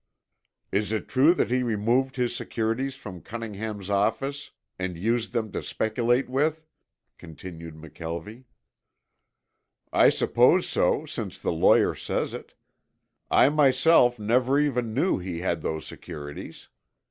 "Is it true that he removed his securities from Cunningham's office and used them to speculate with?" continued McKelvie. "I suppose so since the lawyer says it. I myself never even knew he had those securities.